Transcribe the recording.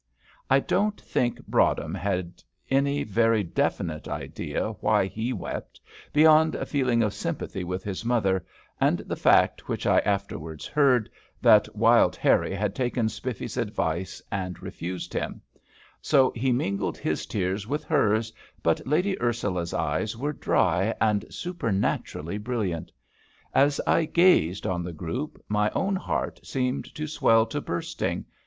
I don't think Broadhem had any very definite idea why he wept, beyond a feeling of sympathy with his mother, and the fact, which I afterwards heard, that Wild Harrie had taken Spiffy's advice, and refused him; so he mingled his tears with hers, but Lady Ursula's eyes were dry and supernaturally brilliant. As I gazed on the group, my own heart seemed to swell to bursting.